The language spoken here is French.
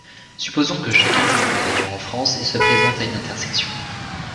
Supposons que chacun conduit une voiture en France et se présente à une intersection.